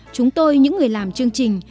chúng tôi những người làm chương trình